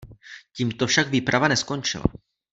Tímto však výprava neskončila.